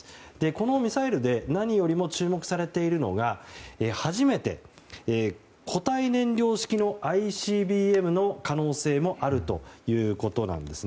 このミサイルで何よりも注目されているのが初めて固体燃料式のＩＣＢＭの可能性もあるということです。